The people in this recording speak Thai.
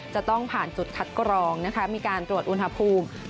จะต้องผ่านจุดคัดกรองนะคะมีการตรวจอุณหภูมิ